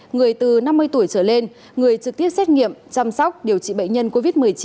người từ năm mươi tuổi trở lên người trực tiếp xét nghiệm chăm sóc điều trị bệnh nhân covid một mươi chín